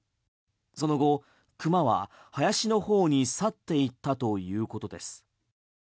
その後、クマは林のほうに去っていったということです。